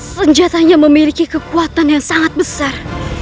senjatanya memiliki kekuatan yang sangat besar